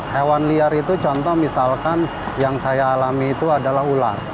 hewan liar itu contoh misalkan yang saya alami itu adalah ular